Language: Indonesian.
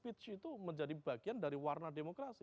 penegakan hukum itu menjadi bagian dari warna demokrasi